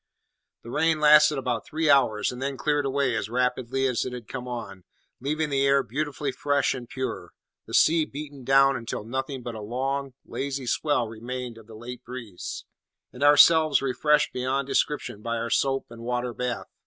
The rain lasted about three hours, and then cleared away as rapidly as it had come on, leaving the air beautifully fresh and pure, the sea beaten down until nothing but a long, lazy swell remained of the late breeze, and ourselves refreshed beyond description by our soap and water bath.